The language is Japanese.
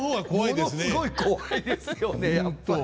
ものすごい怖いですよねやっぱり。